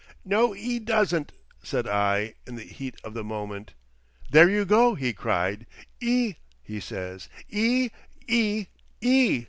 "No, 'e doesn't," said I, in the heat of the moment. "There you go!" he cried. "E, he says. E! E! E!"